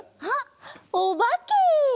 あっおばけ！